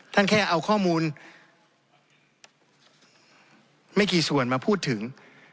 แค่เอาข้อมูลไม่กี่ส่วนมาพูดถึง